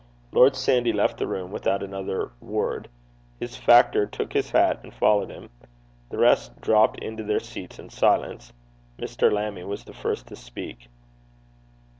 Lord Sandy left the room without another word. His factor took his hat and followed him. The rest dropped into their seats in silence. Mr. Lammie was the first to speak.